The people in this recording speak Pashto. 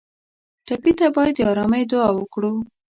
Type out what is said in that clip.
ټپي ته باید د ارامۍ دعا وکړو.